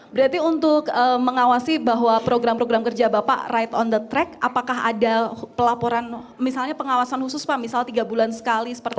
berarti untuk mengawasi bahwa program program kerja bapak right on the track apakah ada pelaporan misalnya pengawasan khusus pak misalnya tiga bulan sekali seperti itu